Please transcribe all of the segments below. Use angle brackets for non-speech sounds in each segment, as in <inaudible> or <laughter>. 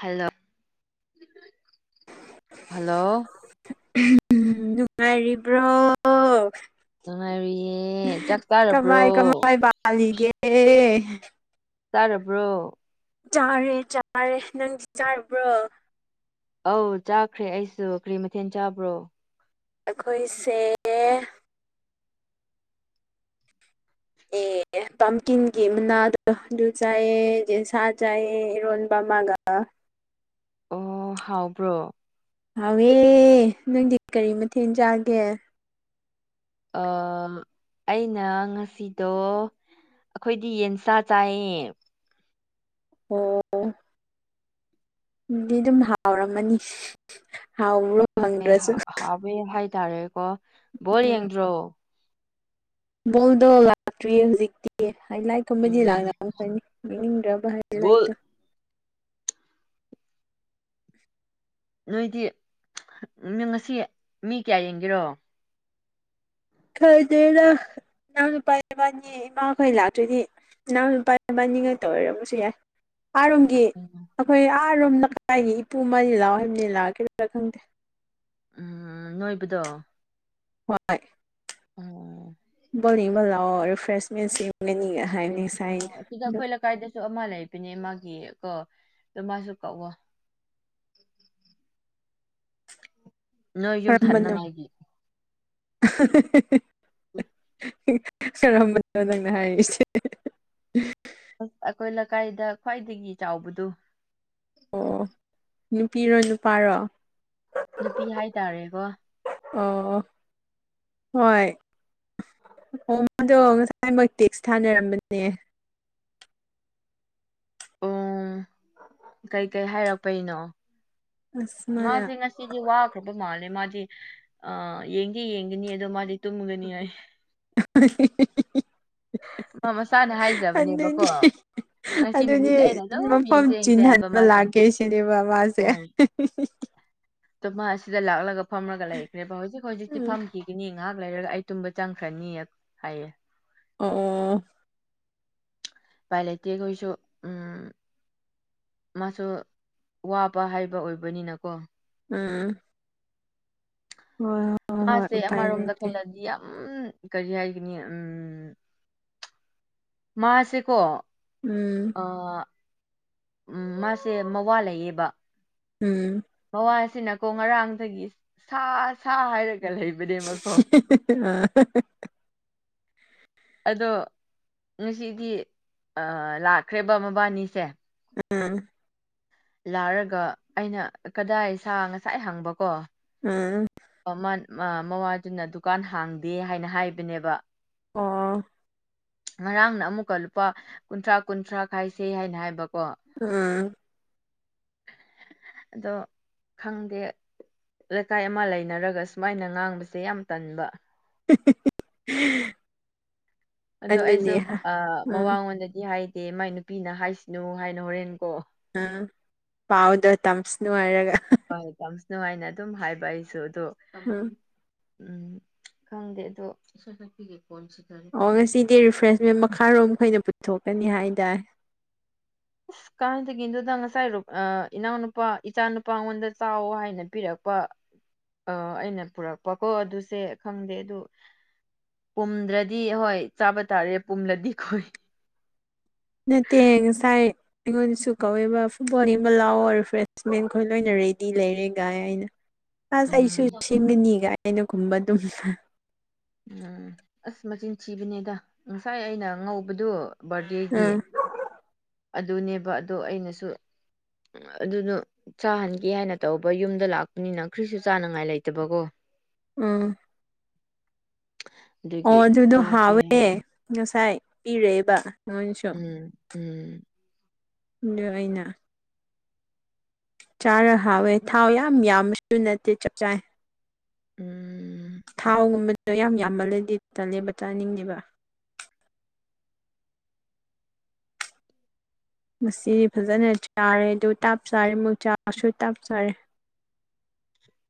hello hello ꯅꯨꯡꯉꯥꯏꯔꯤꯕ꯭ꯔꯣ ꯅꯨꯡꯉꯥꯏꯔꯤꯌꯦ ꯆꯥꯛ ꯆꯥꯔꯕ꯭ꯔꯣ ꯀꯥꯂꯤꯒꯦ ꯆꯥꯔꯕ꯭ꯔꯣ ꯆꯥꯔꯦ ꯆꯥꯔꯦ ꯅꯪꯗꯤ ꯆꯥꯔꯕ꯭ꯔꯣ ꯑꯧ ꯆꯥꯈ꯭ꯔꯦ ꯑꯩꯁꯨ ꯀ꯭ꯔꯤ ꯃꯊꯦꯜ ꯆꯥꯕ꯭ꯔꯣ ꯑꯩꯈꯣꯏꯁꯦ <inaudible> ꯑꯦ ꯄꯝꯀꯤꯟꯒꯤ ꯃꯅꯥꯗꯣ ꯑꯗꯨ ꯆꯥꯏꯌꯦ ꯁꯥ ꯆꯥꯏꯌꯦ ꯏꯔꯣꯟꯕ ꯑꯃꯒ ꯑꯣ ꯍꯥꯎꯕ꯭ꯔꯣ ꯍꯥꯎꯋꯦ ꯅꯪꯗꯤ ꯀꯔꯤ ꯃꯊꯦꯜ ꯆꯥꯒꯦ ꯑ ꯑꯩꯅ ꯉꯁꯤꯗꯣ ꯑꯩꯈꯣꯏꯗꯤ ꯌꯦꯟꯁꯥ ꯆꯥꯏꯌꯦ ꯑꯣ ꯗꯤ ꯗꯨꯝ ꯍꯥꯎꯔꯝꯃꯅꯤ ꯍꯥꯎꯕ꯭ꯔꯣ ꯑꯦ ꯍꯥꯎ ꯍꯪꯗ꯭ꯔꯁꯨ ꯍꯥꯎꯋꯦ ꯍꯥꯏꯇꯥꯔꯦꯀꯣ ꯕꯣꯜ ꯎꯝ ꯌꯦꯡꯗ꯭ꯔꯣ ꯕꯣꯜꯗꯣ ꯂꯥꯛꯇ꯭ꯔꯤꯌꯦ ꯍꯧꯖꯤꯛꯇꯤ ꯍꯥꯏ ꯂꯥꯏ ꯀꯨꯝꯕꯗꯤ ꯎꯝ ꯂꯥꯡꯅꯔꯝꯒꯅꯤ ꯌꯦꯡꯅꯤꯡꯗ꯭ꯔꯕ ꯍꯥꯏꯂꯥꯏꯠ ꯕꯣꯜ ꯇꯣ ꯅꯣꯏꯗꯤ ꯅꯪ ꯉꯁꯤ ꯃꯤ ꯀ꯭ꯌꯥ ꯌꯦꯡꯒꯦꯔꯣ ꯈꯟꯗꯦꯗꯥ ꯅꯅꯥꯎꯅꯨꯄꯥ ꯏꯕꯥꯟꯅꯤ ꯏꯃꯥꯈꯣꯏ ꯂꯥꯛꯇ꯭ꯔꯤꯗꯤ ꯅꯅꯥꯎꯅꯨꯄꯥꯥꯏ ꯏꯕꯥꯅꯤꯒ ꯇꯧ ꯑꯣꯏꯔꯝꯕꯁꯨ ꯌꯥꯏ ꯍꯥꯔꯨꯝꯒꯤ ꯑꯩꯈꯣꯏ ꯑꯥꯔꯣꯝ ꯅꯥꯏꯒꯤ ꯏꯄꯨ ꯑꯃꯥꯅꯤ ꯂꯥꯛꯑꯣ ꯍꯥꯏꯕꯅꯤ ꯂꯥꯛꯀꯗ꯭ꯔꯥ ꯈꯪꯗꯦ ꯎꯝ ꯅꯣꯏꯕꯗꯣ ꯍꯣꯏ ꯑꯣ ꯕꯣꯜ ꯌꯦꯡꯕ ꯂꯥꯛꯑꯣ ꯔꯤꯐ꯭ꯔꯦꯁꯃꯦꯟꯁꯤ ꯃꯦꯟꯅꯤ ꯍꯥꯏꯕꯅꯦ ꯑꯣ ꯑꯗꯨꯗ ꯑꯈꯣꯏ ꯂꯩꯀꯥꯏꯗꯁꯨ ꯑꯃ ꯂꯩꯕꯅꯦ ꯃꯥꯒꯤ ꯀꯣ ꯑꯗꯨ ꯃꯥꯁꯨ ꯀꯧꯋꯣ <inaudible> ꯅꯣꯏ ꯌꯨꯝ ꯀꯔꯝꯕꯅꯣ ꯊꯟꯅꯉꯥꯏꯒꯤ ꯀꯔꯝꯕꯅꯣ ꯅꯪꯅ ꯍꯥꯏꯔꯤꯁꯦ ꯑ ꯑꯈꯣꯏ ꯂꯩꯀꯥꯏꯗ ꯈ꯭ꯋꯥꯏꯗꯒꯤ ꯆꯥꯎꯕꯗꯨ ꯑꯣ ꯅꯨꯄꯤꯔꯣ ꯅꯨꯄꯥꯔꯣ ꯅꯨꯄꯤ ꯍꯥꯏꯇꯥꯔꯦꯀꯣ ꯑꯣ ꯍꯣꯏ ꯑꯣ ꯃꯥꯗꯣ ꯉꯁꯥꯏꯃꯛ ꯇꯦꯛꯁ ꯊꯥꯅꯔꯝꯕꯅꯦ ꯑ ꯀꯩꯀꯩ ꯍꯥꯏꯔꯛꯄꯩꯅꯣ ꯑꯁ ꯃꯥꯅ ꯃꯥꯗꯤ ꯅꯠ ꯁꯤꯗꯤ ꯋꯥꯈ꯭ꯔꯕ ꯃꯥꯜꯂꯦ ꯃꯥꯗꯤ ꯑ ꯌꯦꯡꯗꯤ ꯌꯦꯡꯒꯅꯤ ꯑꯗꯣ ꯃꯥꯗꯤ ꯇꯨꯝꯒꯅꯤ ꯍꯥꯏ <unintelligible> ꯃꯥ ꯃꯁꯥꯅ ꯍꯥꯏꯖꯕꯅꯦꯕꯀꯣ ꯑꯗꯨꯗꯤ ꯉꯁꯤ ꯑꯗꯨꯗꯤ ꯅꯨꯃꯤꯠꯁꯦ ꯑꯩꯅ ꯑꯗꯨꯝ ꯃꯐꯝ ꯌꯦꯡꯁꯦ ꯌꯦꯡꯁꯦ ꯍꯥꯏꯕ ꯆꯤꯟꯍꯟꯕ ꯃꯥꯁꯨ ꯂꯥꯛꯀꯦ ꯁꯤꯅꯦꯕ ꯃꯥꯁꯦ ꯇꯣ ꯃꯥꯑꯁꯤꯗ ꯂꯥꯛꯂꯒ ꯐꯝꯃꯒ ꯂꯩꯈ꯭ꯔꯦꯕ ꯍꯧꯖꯤꯛ ꯍꯧꯖꯤꯛꯇꯤ ꯎꯝ ꯐꯝꯈꯤꯒꯅꯤ ꯉꯥꯍꯥꯛ ꯂꯩꯔꯒ ꯑꯩ ꯇꯨꯝꯕ ꯆꯪꯈ꯭ꯔꯅꯤ ꯍꯥꯏꯌꯦ ꯑꯣ ꯄꯥꯏꯂꯩꯇꯦ ꯑꯩꯈꯣꯏꯁꯨ ꯎꯝ ꯃꯥꯁꯨ ꯋꯥꯕ ꯍꯥꯏꯕ ꯑꯣꯏꯕꯅꯤꯅꯀꯣ ꯎꯝ ꯍꯣꯏ ꯍꯣꯏ ꯍꯣꯏ ꯃꯥꯁꯦ ꯎꯄꯥꯏ ꯑꯃꯔꯣꯝꯗ ꯂꯩꯇꯦ ꯈꯜꯂꯗꯤ ꯌꯥꯝ ꯀꯔꯤ ꯍꯥꯏꯒꯅꯤ ꯎꯝ ꯃꯥꯁꯦꯀꯣ ꯎꯝ ꯑꯥ ꯎꯝ ꯃꯥꯁꯦ ꯃꯋꯥ ꯂꯩꯌꯦꯕꯥ ꯎꯝ ꯃꯋꯥꯁꯤꯅꯀꯣ ꯉꯔꯥꯡꯗꯒꯤ ꯁꯥ ꯁꯥ ꯍꯥꯏꯔꯒ ꯂꯩꯕ <unintelligible> ꯑꯥ ꯑꯗꯣ ꯉꯁꯤꯗꯤ ꯂꯥꯛꯈ꯭ꯔꯦꯕ ꯃꯕꯥꯅꯤꯁꯦ ꯎꯝ ꯂꯥꯔꯒ ꯑꯩꯅ ꯀꯗꯥꯏ ꯁꯥ ꯉꯁꯥꯏ ꯍꯪꯕ ꯀꯣ ꯎꯝ ꯑꯥ ꯃꯥ ꯑꯥ ꯃꯥꯋ꯭ꯗꯨꯅ ꯗꯨꯀꯥꯟ ꯍꯥꯡꯗꯦ ꯍꯥꯏꯅ ꯍꯥꯏꯕꯅꯦꯕ ꯑꯣ ꯉꯔꯥꯡꯅ ꯑꯃꯨꯛꯀ ꯂꯨꯄꯥ ꯀꯨꯟꯊ꯭ꯔꯥ ꯀꯨꯟꯊ꯭ꯔꯥ ꯈꯥꯏꯁꯦ ꯍꯥꯏꯅ ꯍꯥꯏꯕꯀꯣ ꯎꯝ ꯑꯗꯣ ꯈꯪꯗꯦ ꯂꯩꯀꯥꯏ ꯑꯃ ꯂꯩ ꯅꯔꯒ ꯁꯨꯃꯥꯏꯅ ꯉꯥꯡꯕꯁꯦ ꯌꯥꯝ ꯇꯟꯕ <unintelligible> ꯑꯗꯣ ꯑꯩꯁꯨ ꯑꯗꯨꯅꯤ ꯑꯥ ꯎꯝ ꯃꯃꯉꯣꯟꯗꯗꯤ ꯍꯥꯏꯗꯦ ꯃꯥꯏ ꯅꯨꯄꯤꯅ ꯍꯥꯏꯁꯅꯨ ꯍꯥꯏꯅ ꯍꯣꯔꯦꯟꯀꯣ ꯑ ꯄꯥꯎꯗ ꯇꯝꯁꯅꯨ ꯍꯥꯏꯔꯒ ꯍꯣꯏ ꯇꯝꯁꯅꯨ ꯉꯥꯏꯅ ꯑꯗꯨꯝ ꯍꯥꯏꯕ ꯑꯩꯁꯨ ꯑꯗꯣ ꯎꯝ ꯎꯝ ꯈꯪꯗꯦ ꯑꯗꯨ ꯏꯁꯩ ꯁꯛꯄꯤꯒꯤ ꯀꯣꯟꯁꯤ ꯀꯔꯤ ꯑꯣ ꯉꯁꯤꯗꯤ ꯔꯤꯐ꯭ꯔꯦꯁꯃꯦꯟ ꯃꯈꯥꯔꯣꯝꯈꯣꯏꯅ ꯄꯨꯊꯣꯛꯀꯅꯤ ꯍꯥꯏꯗꯥꯏ ꯑꯁ ꯀꯥꯏꯗꯒꯤꯅꯣꯗ ꯉꯁꯥꯏ ꯑꯥ ꯏꯅꯥꯎꯅꯨꯄꯥ ꯏꯆꯥ ꯅꯨꯄꯥ ꯉꯣꯟꯗ ꯆꯥꯎ ꯍꯥꯏꯅ ꯄꯤꯔꯛꯄ ꯑ ꯑꯩꯅ ꯄꯨꯔꯛꯄꯀꯣ ꯑꯗꯨꯁꯦ ꯈꯪꯗꯦ ꯑꯗꯨ ꯄꯨꯝꯗ꯭ꯔꯗꯤ ꯍꯣꯏ ꯆꯥꯕ ꯇꯥꯔꯦ ꯄꯨꯝꯂꯗꯤ ꯈꯨꯏ ꯅꯠꯇꯦ ꯉꯁꯥꯏ ꯑꯩꯉꯣꯟꯗꯁꯨ ꯀꯧꯋꯦꯕ ꯐꯨꯠꯕꯣꯜ ꯌꯦꯡꯕ ꯂꯥꯛꯑꯣ ꯔꯤꯐ꯭ꯔꯦꯁꯃꯦꯟꯈꯣꯏ ꯂꯣꯏꯅ ꯔꯦꯗꯤ ꯂꯩꯔꯦꯒꯥꯏ ꯑꯩꯅ <inaudible> ꯑꯁ ꯑꯩꯁꯨ ꯎꯝ ꯁꯦꯝꯃꯤꯅꯤ ꯒꯥꯏꯅꯈꯨꯝꯕ ꯑꯗꯨꯝ ꯎꯝ ꯑꯁ ꯃꯆꯤꯟ ꯊꯤꯕꯅꯦꯗ ꯉꯁꯥꯏ ꯑꯩꯅ ꯉꯧꯕꯗꯨ ꯕꯥꯔꯗꯦꯒꯤ ꯑꯥ ꯑꯗꯨꯅꯦꯕ ꯑꯗꯣ ꯑꯩꯅꯁꯨ ꯑꯗꯨꯗꯨ ꯆꯥꯍꯟꯒꯦ ꯍꯥꯏꯅ ꯇꯧꯕ ꯌꯨꯝꯗ ꯂꯥꯛꯄꯅꯤꯅ ꯀꯔꯤꯁꯨ ꯆꯥꯅꯉꯥꯏ ꯂꯩꯇꯕꯀꯣ ꯎꯝ <unintelligible> ꯑꯣ ꯑꯗꯨꯗꯣ ꯆꯥꯁꯦ ꯍꯥꯎꯋꯦ ꯍꯥꯏꯅ ꯉꯁꯥꯏ ꯄꯤꯔꯛꯏꯕ ꯃꯣꯏꯖꯨ ꯎꯝ ꯎꯝ ꯑꯗꯨ ꯑꯩꯅ ꯆꯥꯔ ꯍꯥꯎꯋꯦ ꯊꯥꯎ ꯌꯥꯝ ꯌꯥꯝꯕꯁꯨ ꯅꯠꯇꯦ ꯆꯞ ꯆꯥꯢ ꯎꯝ ꯊꯥꯎꯒꯨꯝꯕꯗꯨ ꯌꯥꯝ ꯌꯥꯝꯃꯜꯂꯗꯤ ꯇꯜꯂꯦꯕ ꯆꯥꯅꯤꯡꯗꯦꯕ ꯉꯁꯤ ꯐꯖꯅ ꯆꯥꯔꯦ ꯑꯗꯨ ꯇꯥꯞ ꯆꯥꯔꯦ ꯑꯃꯨꯛ ꯆꯥꯔꯁꯨ ꯇꯥꯞ ꯆꯥꯔꯦ INAUDIBLE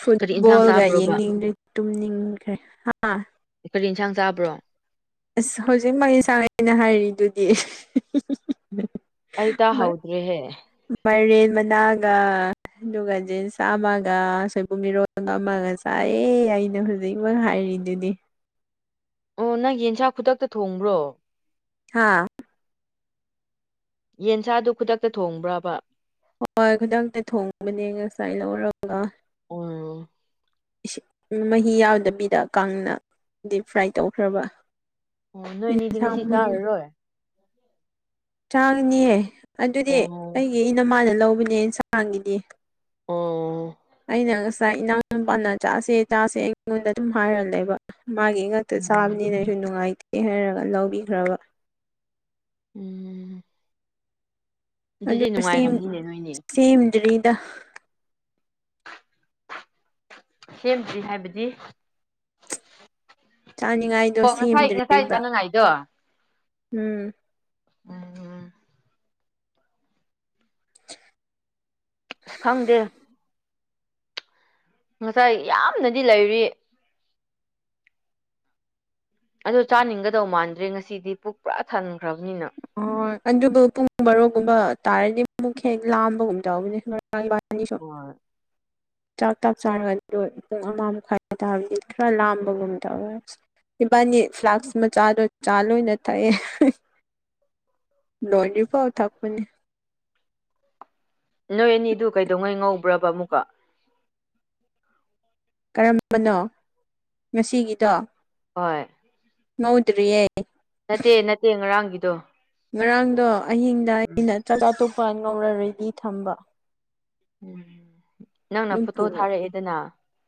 ꯐꯨꯠꯕꯣꯜꯒ ꯌꯦꯡꯅꯤꯡꯗꯦ ꯇꯨꯝꯅꯤꯡꯈ꯭ꯔꯦ ꯍꯥ ꯀꯔꯤ ꯏꯟꯁꯥꯡ ꯆꯥꯕ꯭ꯔꯣ ꯑꯥꯁ ꯍꯧꯖꯤꯛꯃꯛꯀꯤ ꯏꯟꯁꯥꯡ ꯑꯩꯅ ꯍꯥꯏꯔꯤꯗꯨꯗꯤ ꯑꯩ ꯇꯥ ꯍꯧꯗ꯭ꯔꯦ ꯍꯦ ꯃꯥꯏꯔꯦꯟ ꯃꯅꯥꯒ ꯑꯗꯨꯒ ꯖꯤꯟꯁ ꯑꯃꯒ ꯁꯣꯏꯕꯨꯝ ꯏꯔꯣꯟꯕ ꯑꯃꯒ ꯆꯥꯏꯌꯦ ꯑꯩꯅ ꯍꯨꯖꯤꯛꯃꯛ ꯍꯥꯏꯔꯤꯗꯨꯗꯤ ꯑꯣ ꯅꯪꯒꯤ ꯏꯟꯁꯥꯡ ꯈꯨꯗꯛꯇ ꯊꯣꯡꯕ꯭ꯔꯣ ꯍꯥ ꯌꯦꯟꯁꯥꯗꯨ ꯈꯨꯗꯛꯇ ꯊꯣꯡꯕ꯭ꯔꯥꯕ ꯍꯣꯏ ꯈꯨꯗꯛꯇ ꯊꯣꯡꯕꯅꯦ ꯉꯁꯥꯏ ꯂꯧꯔꯒ ꯎꯪ ꯏꯁꯤꯡ ꯃꯍꯤ ꯌꯥꯎꯗꯕꯤꯗ ꯀꯪꯅ ꯗꯤ ꯐ꯭ꯔꯥꯏ ꯇꯧꯈ꯭ꯔꯕ ꯎꯪ ꯅꯣꯏꯅꯤꯗꯤ ꯏꯟꯁꯥꯡ ꯉꯁꯤ ꯇꯥꯔꯔꯣꯏ ꯆꯥꯒꯅꯤꯌꯦ ꯑꯗꯨꯗꯤ ꯑꯣ ꯑꯩꯒꯤ ꯏꯅꯃꯥꯅ ꯂꯧꯕꯅꯦ ꯏꯟꯁꯥꯡꯒꯤꯗꯤ ꯑꯣꯑꯣ ꯑꯩꯅ ꯉꯁꯥꯏ ꯏꯅꯥꯎ ꯅꯨꯄꯥꯅ ꯆꯥꯁꯦ ꯆꯥꯁꯦ ꯑꯩꯉꯣꯟꯗ ꯑꯗꯨꯝ ꯍꯥꯏꯔꯂꯩꯕ ꯃꯥꯒꯤ ꯇꯨ ꯎꯝ ꯆꯥꯕꯅꯤꯅ ꯑꯩꯖꯨ ꯅꯨꯡꯉꯥꯏꯇꯦ ꯍꯥꯏꯔꯒ ꯂꯧꯕꯤꯈ꯭ꯔꯕ ꯎꯎꯪ ꯑꯗꯨꯒ ꯁꯦꯝ ꯅꯨꯡꯉꯥꯏꯔꯝꯅꯤꯅꯦ ꯅꯣꯏꯅꯦ ꯁꯦꯝꯗ꯭ꯔꯤꯗ ꯁꯦꯝꯗ꯭ꯔꯤ ꯍꯥꯏꯕꯗꯤ ꯆꯥꯅꯤꯡꯉꯥꯏꯗꯣ ꯑꯣ ꯉꯁꯥꯏ ꯉꯁꯥꯏ ꯁꯦꯝꯗ꯭ꯔꯤꯕ ꯆꯠꯅꯉꯥꯏꯗꯣ ꯎꯝ ꯎꯪꯎꯪ ꯑꯁ ꯈꯪꯗꯦ ꯉꯁꯥꯏ ꯌꯥꯝꯅꯗꯤ ꯂꯩꯔꯤ ꯑꯗꯣ ꯆꯥꯅꯤꯡꯒꯗꯧ ꯃꯥꯟꯗ꯭ꯔꯦ ꯉꯁꯤꯗꯤ ꯄꯨꯛ ꯄꯨꯔꯥ ꯊꯟꯈ꯭ꯔꯕꯅꯤꯅ ꯑꯣ ꯑꯗꯨꯕꯨ ꯄꯨꯡ ꯚꯔꯣꯒꯨꯝꯕ ꯇꯥꯔꯗꯤ ꯑꯃꯨꯛ ꯍꯦꯛ ꯂꯥꯝꯕꯒꯨꯝ ꯌꯥꯎꯒꯅꯤ ꯍꯣꯢ INAUDIBLE ꯍꯣꯏ ꯆꯥꯛ ꯇꯪ ꯆꯥꯔꯒ ꯑꯗꯨꯗꯣ ꯄꯨꯡ ꯑꯃ ꯃꯈꯥꯏ ꯇꯥꯕꯗꯤ ꯈꯔ ꯂꯥꯝꯕꯒꯨꯝ ꯇꯧꯋꯦ ꯏꯕꯥꯅꯤ ꯐ꯭ꯂꯥꯛꯁ ꯃꯆꯥꯗꯣ ꯆꯥ ꯂꯣꯏꯅ ꯊꯛꯑꯦ ꯂꯣꯏꯗ꯭ꯔꯤ ꯐꯥꯎ ꯊꯥꯛꯄꯅꯦ ꯅꯣꯏ ꯑꯅꯤꯗꯨ ꯀꯩꯗꯧꯉꯩ ꯉꯧꯕ꯭ꯔꯕ ꯑꯃꯨꯛꯀ ꯀꯔꯝꯕꯅꯣ ꯉꯁꯤꯒꯤꯗꯣ ꯍꯣꯏ ꯅꯣꯏꯗ꯭ꯔꯤꯌꯦ ꯅꯠꯇꯦ ꯅꯠꯇꯦ ꯉꯔꯥꯡꯒꯤꯗꯣ ꯉꯔꯥꯡꯗꯣ ꯑꯍꯤꯡꯗ ꯎꯝ ꯑꯩꯅ ꯆꯥꯛ ꯑꯇꯣꯞꯄ ꯉꯧꯔꯒꯗꯤ ꯊꯝꯕ ꯎꯪ ꯅꯪꯅ ꯐꯣꯇꯣ ꯊꯥꯔꯛꯑꯦꯗꯅ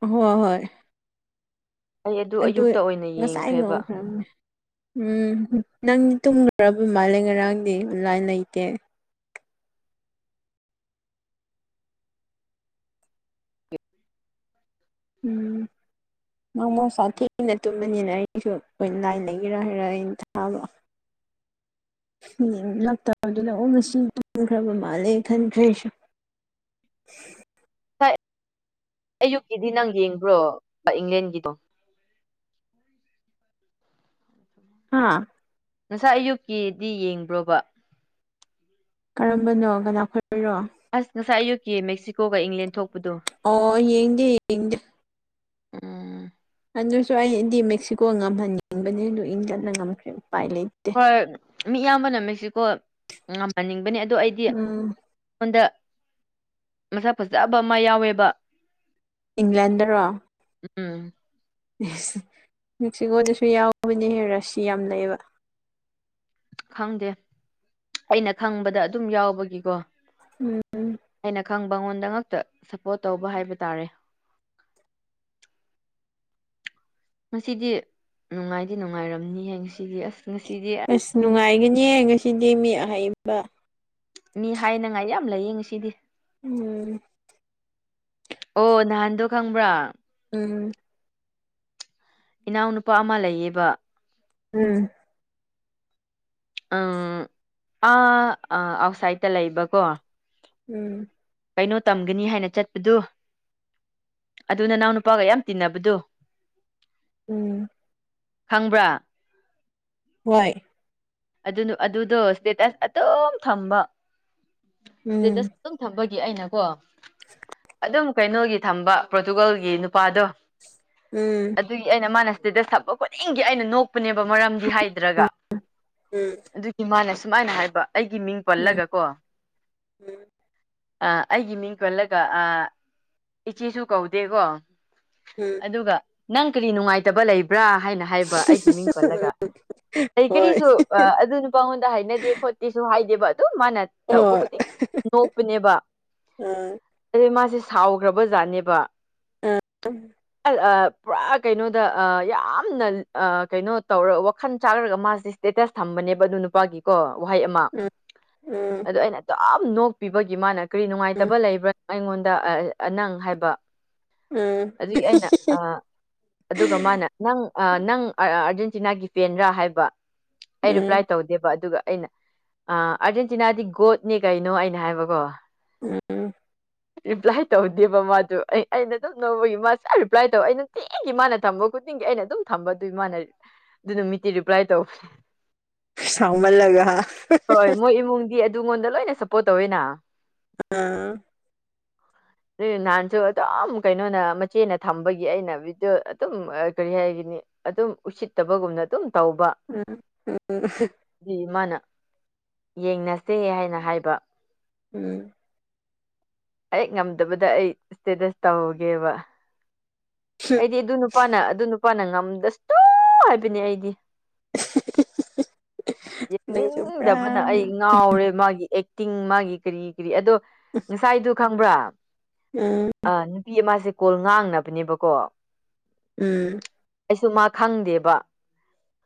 ꯎꯍꯣ ꯍꯣꯏ ꯑꯩ ꯑꯗꯨ ꯑꯗꯨꯏ ꯑꯌꯨꯛꯇ ꯑꯣꯏꯅ ꯉꯁꯥꯏ ꯌꯦꯡꯈ꯭ꯔꯦꯕ ꯉꯧꯈ꯭ꯔꯕꯅꯦ ꯎꯝ ꯅꯪꯗꯤ ꯇꯨꯝꯈ꯭ꯔꯕ ꯃꯥꯜꯂꯦ ꯉꯔꯥꯡꯗꯤ ꯑꯣꯟꯂꯥꯏꯟ ꯂꯩꯇꯦ ꯎꯝ ꯅꯪ ꯃꯍꯧꯁꯥ ꯊꯦꯡꯅ ꯇꯨꯝꯕꯅꯤꯅ ꯑꯩꯁꯨ ꯑꯣꯟꯂꯥꯏꯟ ꯂꯩꯒꯦꯔꯥ ꯍꯥꯏꯔ ꯑꯩꯅ ꯊꯥꯕ <inaudible> <unintelligible> ꯂꯛꯇꯕꯗꯨꯅ ꯑꯣ ꯉꯁꯤ ꯇꯨꯝꯈ꯭ꯔꯕ ꯃꯥꯜꯂꯦ ꯈꯟꯈ꯭ꯔꯦ ꯑꯩꯁꯨ ꯁꯥꯏ ꯑꯌꯨꯛꯀꯤꯗꯤ ꯅꯪ ꯌꯦꯡꯕ꯭ꯔꯣ ꯏꯪꯂꯦꯟꯒꯤꯗꯣ ꯍꯥꯥ ꯉꯁꯥꯏ ꯑꯌꯨꯛꯀꯤꯗꯤ ꯌꯦꯡꯕ꯭ꯔꯣꯕ ꯀꯔꯝꯕꯅꯣ ꯀꯅꯥ ꯈꯣꯏꯔꯣ ꯑꯁ ꯉꯁꯥꯏ ꯑꯌꯨꯛꯀꯤ ꯃꯦꯛꯁꯤꯀꯣꯒ ꯏꯪꯂꯦꯟ ꯊꯣꯛꯄꯗꯣ ꯑꯣ ꯌꯦꯡꯗꯦ ꯌꯦꯡꯗꯦ ꯎꯝ ꯑꯗꯨꯁꯨ ꯑꯩꯗꯤ ꯃꯦꯛꯁꯤꯀꯣ ꯉꯝꯍꯟꯅꯤꯡꯕꯅꯦ ꯑꯗꯨ ꯏꯪꯂꯟꯅ ꯉꯝꯈ꯭ꯔꯦ ꯎꯄꯥꯏ ꯂꯩ ꯍꯣꯏ ꯃꯤ ꯑꯌꯥꯝꯕꯅ ꯃꯦꯛꯁꯤꯀꯣ ꯉꯝꯍꯟꯅꯤꯡꯕꯅꯦ ꯑꯗꯣ ꯑꯩꯗꯤ ꯎꯝ ꯁꯣꯟꯗ ꯃꯁꯛ ꯐꯖꯕ ꯑꯃ ꯌꯥꯎꯋꯦꯕ ꯏꯪꯂꯦꯟꯗꯔꯣ ꯎꯝ ꯏꯁ ꯃꯦꯛꯁꯤꯀꯣꯗꯁꯨ ꯌꯥꯎꯕꯅꯦꯍꯦ ꯔꯥꯁꯤ ꯌꯥꯝ ꯂꯩꯕ ꯈꯪꯗꯦ ꯑꯩꯅ ꯈꯪꯕꯗ ꯑꯗꯨꯝ ꯌꯥꯎꯕꯒꯤꯀꯣ ꯎꯝ ꯎꯝ ꯑꯩꯅ ꯈꯪꯕ ꯑꯩꯉꯣꯟꯗ ꯉꯥꯛꯇ ꯁꯄꯣꯔꯠ ꯇꯧꯕ ꯍꯥꯏꯕ ꯇꯥꯔꯦ ꯉꯁꯤꯗꯤ ꯅꯨꯡꯉꯥꯏꯗꯤ ꯅꯨꯡꯉꯥꯏꯔꯝꯅꯤꯍꯦ ꯉꯁꯤꯗꯤ ꯑꯁ ꯉꯁꯤꯗꯤ ꯑꯁ ꯅꯨꯡꯉꯥꯏꯒꯅꯤꯍꯦ ꯉꯁꯤꯗꯤ ꯃꯤ ꯑꯍꯩꯕ ꯃꯤ ꯍꯥꯏꯅꯉꯥꯏ ꯌꯥꯝ ꯂꯩꯌꯦ ꯉꯁꯤꯗꯤ ꯎꯝ ꯑꯣ ꯅꯍꯥꯟꯗꯣ ꯈꯪꯕ꯭ꯔꯥ ꯎꯝ ꯏꯅꯥꯎꯅꯨꯄꯥ ꯑꯃ ꯂꯩꯌꯦꯕ ꯎꯝ ꯑ ꯑꯥ ꯑꯥ ꯑꯥꯎꯠꯁꯥꯏꯗꯠꯇ ꯂꯩꯕꯀꯣ ꯎꯝ ꯀꯩꯅꯣ ꯇꯝꯒꯅꯤ ꯍꯥꯏꯅ ꯆꯠꯄꯗꯨ ꯑꯗꯨ ꯅꯅꯥꯎ ꯅꯨꯄꯥꯒ ꯌꯥꯝ ꯇꯤꯟꯅꯕꯗꯣ ꯎꯝ ꯈꯪꯕ꯭ꯔꯥ ꯍꯣꯏ ꯑꯗꯨ ꯅꯨ ꯑꯗꯨꯗꯣ ꯏꯁꯇꯦꯇꯁ ꯑꯗꯨꯝ ꯊꯝꯕ ꯎꯝ ꯏꯁꯇꯦꯇꯁ ꯑꯗꯨꯝ ꯊꯝꯕꯒꯤ ꯑꯩꯅꯀꯣ ꯑꯗꯨꯝ ꯀꯩꯅꯣꯒꯤ ꯊꯝꯕ ꯄ꯭ꯔꯣꯇꯨꯒꯜꯒꯤ ꯅꯨꯄꯥꯗꯣ ꯎꯝ ꯑꯗꯨꯒꯤ ꯑꯩꯅ ꯃꯥꯅ ꯏꯁꯇꯦꯇꯁ ꯊꯝꯕ ꯈꯨꯗꯤꯡꯒꯤ ꯑꯩꯅ ꯅꯣꯛꯄꯅꯦꯕ ꯃꯔꯝꯗꯤ ꯍꯥꯏꯗ꯭ꯔꯒ ꯎꯝ ꯑꯗꯨꯒꯤ ꯃꯥꯅ ꯁꯨꯃꯥꯏꯅ ꯍꯥꯏꯕ ꯑꯩꯒꯤ ꯃꯤꯡ ꯎꯝ ꯄꯜꯂꯒ ꯀꯣ ꯑꯥ ꯑꯩꯒꯤ ꯃꯤꯡ ꯄꯜꯂꯒ ꯑꯥ ꯏꯆꯦꯁꯨ ꯀꯧꯗꯦꯀꯣ ꯎꯝ ꯑꯗꯨꯒ ꯅꯪ ꯀꯔꯤ ꯅꯨꯡꯉꯥꯏꯇꯕ ꯂꯩꯕ꯭ꯔꯥ ꯍꯥꯏꯅ ꯍꯥꯏꯕ ꯑꯩꯒꯤ ꯃꯤꯡ ꯄꯜꯂꯒ ꯀꯔꯤ ꯍꯣꯏ ꯀꯔꯤꯁꯨ ꯑꯗꯨꯅ ꯄꯥꯉꯣꯟꯗ ꯍꯥꯏꯅꯗꯦ ꯈꯣꯠꯇꯦꯁꯨ ꯍꯥꯏꯗꯦꯕ ꯑꯗꯨ ꯃꯥꯅ ꯇꯧꯕ ꯍꯣꯏ ꯈꯨꯗꯤꯡ ꯅꯣꯛꯄꯅꯦꯕ ꯑꯗꯩ ꯃꯥꯁꯦ ꯁꯥꯎꯈ꯭ꯔꯕ ꯖꯥꯠꯅꯦꯕ <unintelligible> ꯄꯨꯔꯥ ꯀꯩꯅꯣꯗ ꯌꯥꯝꯅ ꯀꯩꯅꯣ ꯇꯧꯔ ꯋꯥꯈꯜ ꯆꯥꯈ꯭ꯔꯒ ꯃꯥꯁꯤꯦ ꯏꯁ꯭ꯇꯦꯇꯁ ꯊꯝꯕꯅꯦꯕ ꯑꯗꯨ ꯅꯨꯄꯥꯒꯤꯀꯣ ꯋꯥꯍꯩ ꯑꯃ ꯑꯗꯣ ꯑꯩꯅ ꯑꯗꯨꯝ ꯅꯣꯛꯄꯤꯕꯒꯤ ꯃꯥꯅ ꯀꯔꯤ ꯅꯨꯡꯉꯥꯏꯇꯕ ꯂꯩꯕ꯭ꯔꯥ ꯑꯩꯉꯣꯟꯗ ꯅꯪ ꯍꯥꯏꯕ ꯑꯗꯨꯒꯤ ꯑꯩꯅ ꯑ ꯑꯗꯨꯒ ꯃꯥꯅ ꯅꯪ ꯅꯪ ꯑꯥꯔꯖꯦꯟꯇꯤꯅꯥꯒꯤ ꯄꯦꯟ꯭ꯔꯥ ꯍꯥꯏꯕ ꯑꯩ ꯔꯤꯄ꯭ꯂꯥꯏ ꯇꯧꯗꯦꯕ ꯑꯗꯨꯒ ꯑꯩꯅ ꯑꯥꯔꯖꯦꯟꯇꯤꯅꯥꯗꯤ ꯒꯣꯠꯅꯦ ꯀꯩꯅꯣ ꯑꯩꯅ ꯍꯥꯏꯕꯀꯣ ꯎꯝ ꯔꯤꯄ꯭ꯂꯥꯏ ꯇꯧꯗꯦꯕ ꯃꯥꯗꯨ ꯑꯩ ꯑꯩꯅ ꯑꯗꯨꯝ ꯅꯧꯕꯒꯤ ꯃꯥꯁꯦ ꯔꯤꯄ꯭ꯂꯥꯏ ꯇꯧ ꯑꯩꯅ ꯑꯩꯒꯤ ꯃꯥꯅ ꯊꯝꯕ ꯈꯨꯗꯤꯡꯒꯤ ꯑꯩꯅ ꯑꯗꯨꯝ ꯊꯝꯕ ꯑꯗꯨꯏ ꯃꯥꯅ ꯑꯗꯨ ꯅꯨꯃꯤꯠꯇꯤ ꯔꯤꯄ꯭ꯂꯥꯏ ꯇꯧꯕ ꯁꯥꯎꯃꯜꯂꯒ ꯍꯣꯏ ꯃꯣꯏ ꯏꯃꯨꯡꯗꯤ ꯑꯗꯨꯉꯣꯟꯗ ꯂꯣꯏꯅ ꯁꯞꯄꯣꯔꯠ ꯇꯧꯋꯦꯅ ꯑꯗꯨ ꯅꯍꯥꯟꯁꯨ ꯑꯗꯨꯝ ꯀꯩꯅꯣꯅ ꯃꯆꯦꯅ ꯊꯝꯕꯒꯤ ꯑꯩꯅ ꯕꯤꯗꯤꯑꯣ ꯑꯗꯨꯝ ꯀꯔꯤ ꯍꯥꯏꯈꯤꯅꯤ ꯑꯗꯨꯝ ꯎꯁꯤꯠꯇꯕꯒꯨꯝꯅ ꯑꯗꯨꯝ ꯇꯧꯕ ꯎꯝ ꯎꯝ ꯑꯗꯨꯗꯤ ꯃꯥꯅ ꯌꯦꯡꯅꯁꯦ ꯍꯥꯏꯅ ꯍꯥꯏꯕ ꯎꯝ ꯑꯩ ꯉꯝꯗꯕꯗ ꯑꯩ ꯏꯁꯇꯦꯇꯁ ꯇꯧꯒꯦꯕ ꯑꯩꯗꯤ ꯑꯗꯨ ꯅꯨꯄꯥꯅ ꯑꯗꯨ ꯅꯨꯄꯥꯅ ꯉꯝꯗꯁꯨꯨ ꯍꯥꯏꯕꯅꯦ ꯑꯩꯗꯤ ꯅꯪꯁꯨ ꯄꯨꯔꯥ ꯌꯦꯡꯅꯤꯡꯗꯕꯅ ꯑꯩ ꯉꯥꯎꯔꯦ ꯃꯥꯒꯤ ꯑꯏꯛ ꯇꯤꯡ ꯃꯥꯒꯤ ꯀꯔꯤ ꯀꯔꯤ ꯑꯗꯣ ꯉꯁꯥꯏꯗꯨ ꯈꯪꯕ꯭ꯔꯥ ꯎꯝ ꯎꯝ ꯑ ꯅꯨꯄꯤ ꯑꯃꯁꯦ ꯀꯣꯜ ꯉꯥꯡꯅꯕꯅꯦꯕꯀꯣ ꯎꯝ ꯑꯩꯁꯨ ꯃꯥ ꯈꯪꯗꯦꯕ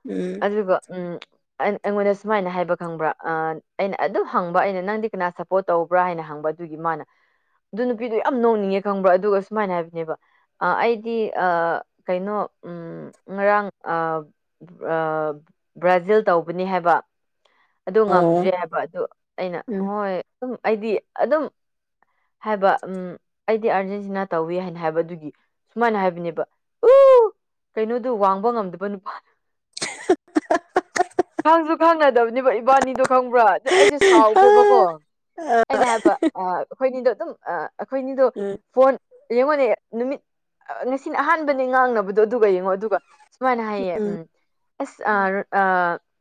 ꯎꯝ ꯑꯗꯨꯒ ꯎꯝ ꯑꯩꯉꯣꯟꯗ ꯁꯨꯃꯥꯏꯅ ꯍꯥꯏꯕ ꯈꯪꯕ꯭ꯔꯥ ꯑꯥ ꯑꯩꯅ ꯑꯗꯨꯝ ꯍꯪꯕ ꯑꯩꯅ ꯅꯪꯗꯤ ꯀꯅꯥ ꯄꯣꯠ ꯇꯧꯕ꯭ꯔꯥ ꯍꯥꯏꯅ ꯍꯪꯕ ꯑꯗꯨꯒꯤ ꯃꯥꯅ ꯑꯗꯨ ꯅꯨꯄꯤꯗꯨ ꯌꯥꯝ ꯅꯣꯡꯅꯤꯡꯉꯦ ꯈꯪꯕ꯭ꯔꯥ ꯑꯗꯨꯒ ꯁꯨꯃꯥꯏꯅ ꯍꯥꯏꯕꯅꯦꯕ ꯑ ꯑꯩꯗꯤ ꯑ ꯀꯩꯅꯣ ꯎꯝ ꯉꯔꯥꯡ ꯑ ꯑꯥ ꯕ꯭ꯔꯥꯖꯤꯜ ꯇꯧꯕꯅꯤ ꯍꯥꯏꯕ ꯑꯗꯨ ꯑꯣ ꯉꯝꯗ꯭ꯔꯦ ꯍꯥꯏꯕ ꯑꯗꯨ ꯑꯩꯅ ꯎꯝ ꯎꯝ ꯍꯣꯏ ꯑꯗꯨꯝ ꯑꯩꯗꯤ ꯑꯗꯨꯝ ꯍꯥꯏꯕ ꯎꯝ ꯑꯩꯗꯤ ꯑꯥꯔꯖꯦꯟꯇꯤꯅꯥ ꯇꯧꯏ ꯍꯥꯏꯅ ꯍꯥꯏꯕ ꯑꯗꯨꯒꯤ ꯃꯥꯅ ꯍꯥꯏꯕꯅꯦꯕ ꯎ ꯀꯩꯅꯣꯗꯨ ꯋꯥꯡꯕ ꯉꯝꯗꯕ ꯅꯨꯄꯥ ꯈꯪꯁꯨ ꯈꯪꯅꯗꯕꯅꯦꯕ ꯏꯕꯥꯟꯅꯤꯗꯣ ꯈꯪꯕ꯭ꯔꯥ ꯑꯗꯨꯗ ꯑꯩꯁꯦ ꯁꯥꯎꯒꯦꯕꯀꯣ ꯎꯝ ꯎꯝ ꯑꯩꯅ ꯍꯥꯏꯕ ꯑꯥ ꯑꯩꯈꯣꯏꯅꯤꯗꯣ ꯑꯗꯨꯝ ꯑꯥ ꯑꯩꯈꯣꯏꯅꯤꯗꯣ ꯎꯝ ꯐꯣꯟ ꯌꯦꯡꯉꯣꯅꯦ ꯅꯨꯃꯤꯠ ꯉꯁꯤꯅꯦ ꯑꯍꯥꯟꯕꯅꯦ ꯉꯥꯡꯅꯕꯗꯣ ꯑꯗꯨꯒ ꯌꯦꯡꯉꯣ ꯑꯗꯨꯒ ꯁꯨꯃꯥꯏꯅ ꯍꯥꯏꯌꯦ ꯎꯝ <unintelligible>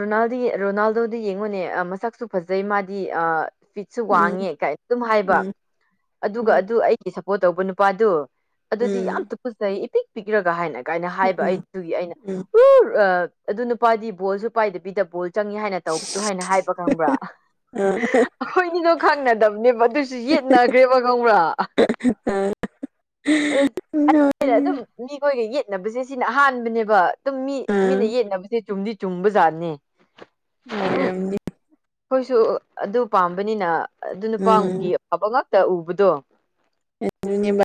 ꯔꯣꯅꯥꯜꯗꯤ ꯔꯣꯅꯥꯜꯗꯣꯗ ꯌꯦꯡꯉꯨꯅꯦ ꯑꯥ ꯃꯁꯛꯁꯨ ꯐꯖꯩ ꯃꯥꯗꯤ ꯑꯥ ꯐꯤꯠꯁꯨ ꯎꯝ ꯎꯝ ꯋꯥꯡꯉꯦ ꯀꯥꯏ ꯑꯗꯨꯝ ꯍꯥꯏꯕ ꯎꯝ ꯑꯗꯨꯒ ꯑꯗꯨ ꯑꯩ ꯁꯞꯄꯣꯔꯠ ꯇꯧꯕ ꯅꯨꯄꯥꯗꯨ ꯑꯗꯨꯗꯤ ꯌꯥꯝ ꯇꯨꯄꯖꯩ ꯏꯄꯤꯛ ꯄꯤꯛꯔꯒ ꯍꯥꯏꯅ ꯀꯥꯏꯅ ꯍꯥꯏꯕ ꯑꯩ ꯑꯗꯨꯒꯤ ꯑꯩꯅ ꯎꯝ ꯎ ꯑꯗꯨ ꯅꯨꯄꯥꯗꯤ ꯕꯣꯜꯁꯨ ꯄꯥꯏꯗꯕꯤꯗꯕ ꯕꯣꯜ ꯆꯪꯏ ꯍꯥꯏꯅ ꯇꯧꯕꯗꯨ ꯍꯥꯏꯅ ꯍꯥꯏꯕ ꯈꯪꯕ꯭ꯔꯥ ꯑ ꯑꯩꯈꯣꯏꯅꯤꯗꯣ ꯈꯪꯅꯗꯕꯅꯦꯕ ꯑꯗꯨꯁꯨ ꯌꯦꯠꯅꯈ꯭ꯔꯦꯕ ꯈꯪꯕ꯭ꯔꯥ ꯑ ꯑꯗꯨ ꯑꯗꯨꯝ ꯃꯤꯈꯣꯏꯒ ꯌꯦꯠꯅꯕꯁꯦ ꯁꯤꯅ ꯑꯍꯥꯟꯕꯅꯦꯕ ꯑꯗꯨꯝ ꯃꯤ ꯃꯤꯅ ꯌꯦꯛꯅꯕꯁꯦ ꯆꯨꯝꯗꯤ ꯆꯨꯝꯕ ꯖꯥꯠꯅꯦ ꯑꯣꯏꯔꯝꯅꯤ ꯑꯩꯈꯣꯏꯁꯨ ꯑꯗꯨ ꯄꯥꯝꯕꯅꯤꯅ ꯑꯗꯨ ꯅꯨꯄꯥꯒꯤ ꯎꯝ ꯑꯐꯥꯕ ꯉꯥꯛꯇ ꯎꯕꯗꯣ ꯑꯗꯨꯅꯦꯕ